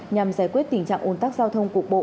nhằm giải quyết tình trạng ồn tắc giao thông cục bộ